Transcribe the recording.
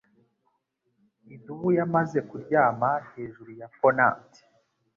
idubu yamaze kuryama hejuru ya Ponant